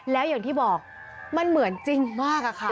แล้วอย่างที่บอกมันเหมือนจริงมากอะค่ะ